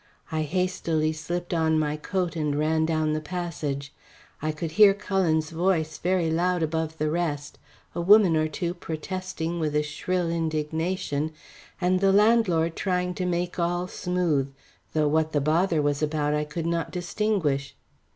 I hastily slipped on my coat and ran down the passage. I could hear Cullen's voice very loud above the rest, a woman or two protesting with a shrill indignation and the landlord trying to make all smooth, though what the bother was about I could not distinguish.